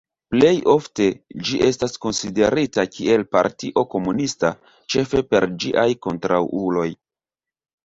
Plej ofte, ĝi estas konsiderita kiel partio komunista, ĉefe per ĝiaj kontraŭuloj.